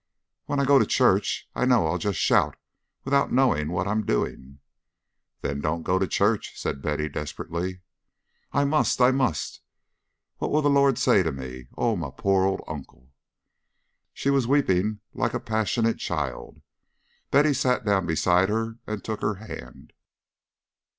"When I go to church I know I'll just shout without knowing what I'm doing." "Then don't go to church," said Betty, desperately. "I must! I must! What'll the Lode say to me? Oh, my po' old uncle!" She was weeping like a passionate child. Betty sat down beside her and took her hand.